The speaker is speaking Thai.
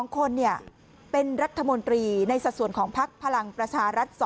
๒คนเป็นรัฐมนตรีในสัดส่วนของพักพลังประชารัฐ๒